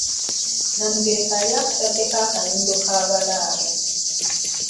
Namugereka yali akataddeko akayindo k'abalaalo.